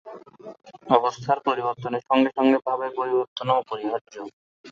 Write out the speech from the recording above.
অবস্থার পরিবর্তনের সঙ্গে সঙ্গে ভাবের পরিবর্তনও অপরিহার্য।